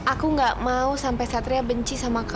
aku nggak mau sampai satria benci sama aku